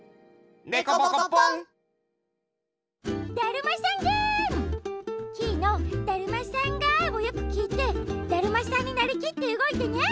だるまさんゲーム！キイの「だるまさんが」をよくきいてだるまさんになりきってうごいてね。